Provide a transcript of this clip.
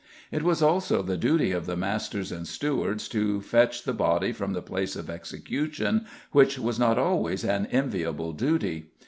It was also the duty of the masters and stewards to fetch the body from the place of execution, which was not always an enviable duty.